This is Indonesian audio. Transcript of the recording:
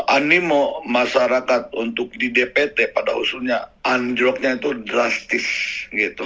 animo masyarakat untuk di dpt pada usulnya anjloknya itu drastis gitu